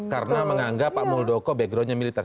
karena menganggap pak muldoko backgroundnya militer